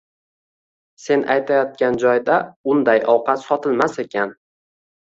Sen aytayotgan joyda unday ovqat sotilmas ekan.